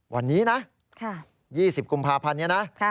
วันนี้นะ๒๐กุมภาพันธ์นี้นะ